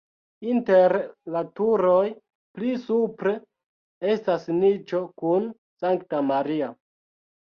Inter la turoj pli supre estas niĉo kun Sankta Maria.